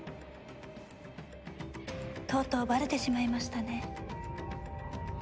とうとうバレてしまいましたね。